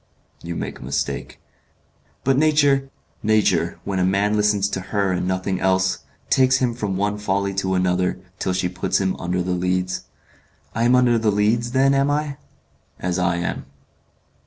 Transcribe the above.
"You make a mistake." "But nature " "Nature, when a man listens to her and nothing else, takes him from one folly to another, till she puts him under the Leads." "I am under the Leads, then, am I?" "As I am."